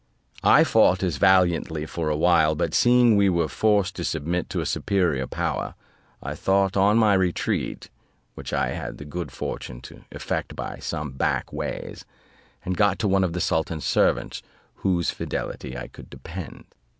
I fought as valiantly for a while; but seeing we were forced to submit to a superior power, I thought on my retreat, which I had the good fortune to effect by some back ways, and got to one of the sultan's servants on whose fidelity I could depend.